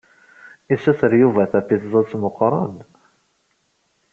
Isuter Yuba tapizat muqqren.